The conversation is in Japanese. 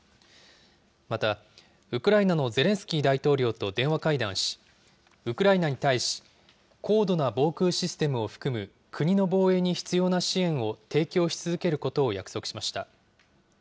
また、ウクライナのゼレンスキー大統領と電話会談し、ウクライナに対し、高度な防空システムを含む国の防衛に必要な支援を提供し続けることを約束しました。